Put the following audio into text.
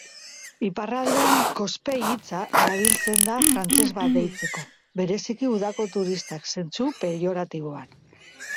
Iparraldean "Kospei" hitza erabiltzen da frantses bat deitzeko, bereziki udako turistak, zentzu peioratiboan.